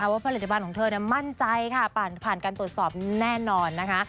ว่าผลิตภัณฑ์ของเธอมั่นใจค่ะผ่านการตรวจสอบแน่นอนนะคะ